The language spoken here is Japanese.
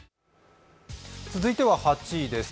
続いては８位です。